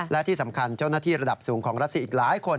และที่สำคัญเจ้าหน้าที่ระดับสูงของรัสเซียอีกหลายคน